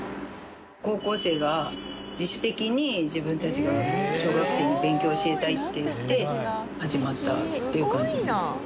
高校生が自主的に自分たちが小学生に勉強を教えたいって言って始まったっていう感じです。